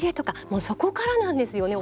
もうそこからなんですよね